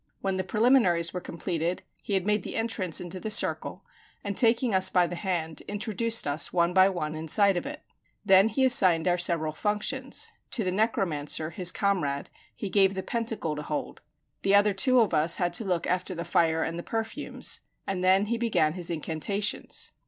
When the preliminaries were completed he made the entrance into the circle, and taking us by the hand, introduced us one by one inside it. Then he assigned our several functions; to the necromancer, his comrade, he gave the pentacle to hold; the other two of us had to look after the fire and the perfumes; and then he began his incantations.